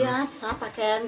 biasa pakai pakaian